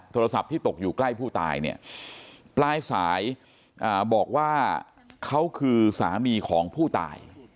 โทรศัพท์ที่ตกอยู่ใกล้ผู้ตายเนี่ยปลายสายบอกว่าเขาคือสามีของผู้ตาย